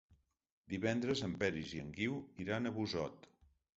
Divendres en Peris i en Guiu iran a Busot.